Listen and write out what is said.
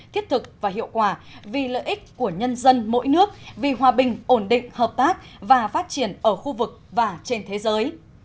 thiết thực và hiệu quả vì lợi ích của nhân dân mỗi nước vì hòa bình ổn định hợp tác và phát triển ở khu vực và trên thế giới